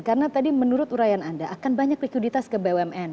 karena tadi menurut uraian anda akan banyak likuiditas ke bumn